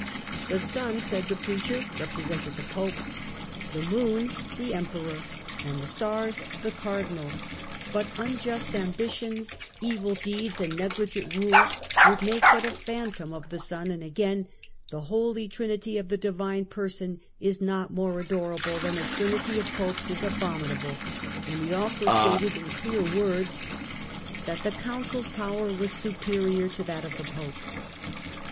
The Sun said the preacher, represented the Pope, the Moon the Emperor and the Stars the Cardinals ; but unjust ambitions, evil EMPIRE AND PAPACY, 1414 1453 157 deeds and negligent rule would make but a phantom of the sun ; and again, " The Holy Trinity of the Divine Persons is not more adorable than a Trinity of Popes is abominable," and he also stated in clear words that the Council's power was superior to that of the Pope.